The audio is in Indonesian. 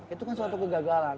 itu kan suatu kegagalan